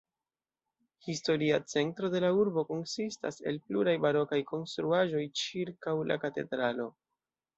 Historia centro de la urbo konsistas el pluraj barokaj konstruaĵoj ĉirkaŭ la katedralo.